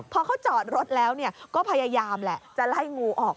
พอเขาจอดรถแล้วก็พยายามแหละจะไล่งูออก